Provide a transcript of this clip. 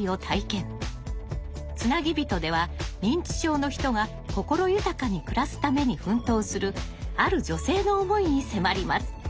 「つなぎびと」では認知症の人が心豊かに暮らすために奮闘するある女性の思いに迫ります。